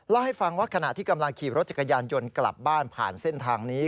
เล่าให้ฟังว่าขณะที่กำลังขี่รถจักรยานยนต์กลับบ้านผ่านเส้นทางนี้